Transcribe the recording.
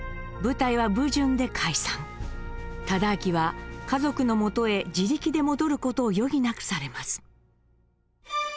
忠亮は家族のもとへ自力で戻る事を余儀なくされます。